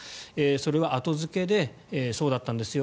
それは後付けでそうだったんですよ